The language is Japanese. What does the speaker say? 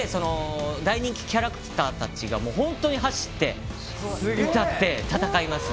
大人気キャラクターたちが本当に走って歌って戦います。